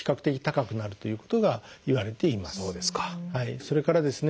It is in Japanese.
それからですね